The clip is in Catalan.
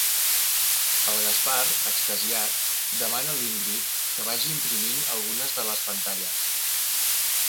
El Gaspar, extasiat, demana l'Ingrid que vagi imprimint algunes de les pantalles.